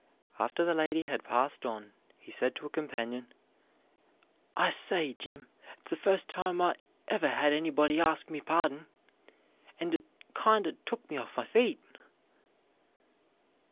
After the lady had passed on, he said to a companion: "I say, Jim, it's the first time I ever had anybody ask my parding, and it kind o' took me off my feet."